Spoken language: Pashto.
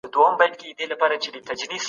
د سیاست په اړه ډېرې څېړنې سوې دي.